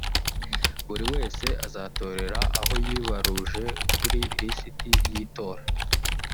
buri wese azatorera aho yibaruje kuri lisiti y’itora